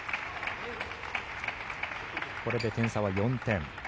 これで点差は４点。